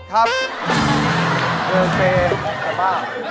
เธอเค่ไข่บ้าง